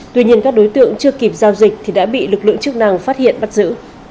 tuy nhiên các đối tượng chưa kịp giao dịch thì đã bị lực lượng chức năng phát hiện bắt giữ